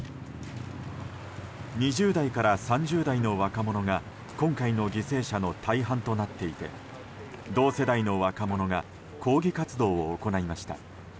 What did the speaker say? ２０代から３０代の若者が今回の犠牲者の大半となっていて同世代の若者が抗議活動を行いました。